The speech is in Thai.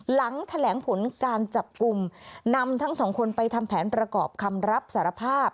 หลังแถลงผลการจับกลุ่มนำทั้งสองคนไปทำแผนประกอบคำรับสารภาพ